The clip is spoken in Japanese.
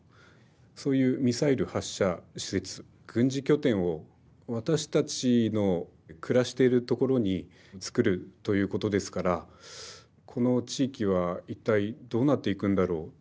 そういうミサイル発射施設軍事拠点を私たちの暮らしているところに造るということですから「この地域は一体どうなっていくんだろう」。